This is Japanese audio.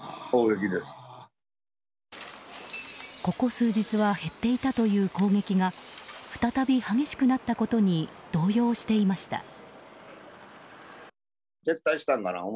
ここ数日は減っていたという攻撃が再び激しくなったことに動揺していました。